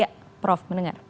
ya prof mendengar